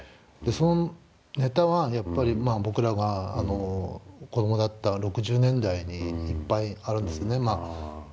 そのネタはやっぱり僕らが子供だった６０年代にいっぱいあるんですね。